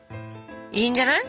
いいんじゃない？